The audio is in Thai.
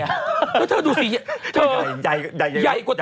เพราะเธอดูสีแยกใจรถ๑๐ตัว